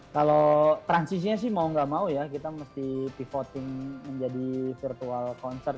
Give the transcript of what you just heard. kalau transisinya sih mau nggak mau ya kita mesti pivoting menjadi virtual concert